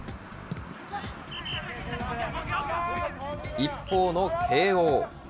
一方の慶応。